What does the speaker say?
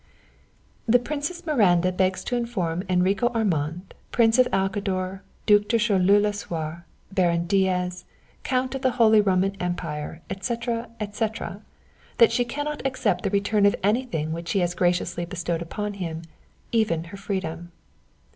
"The Princess Miranda begs to inform Enrico Armand, Prince of Alcador, Duc de Choleaux Lasuer, Baron Diaz, Count of the Holy Roman Empire, etc., etc., that she cannot accept the return of anything which she has graciously bestowed upon him even her freedom."